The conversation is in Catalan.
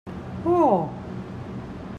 Oh!